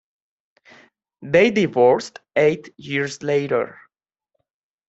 They divorced eight years later.